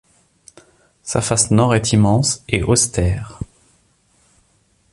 Sa face nord est immense et austère.